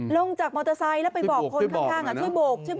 ลงจากมอเตอร์ไซต์แล้วไปบอกคนข้างที่บก